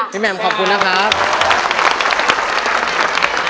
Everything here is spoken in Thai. พี่แม่มขอบคุณนะครับ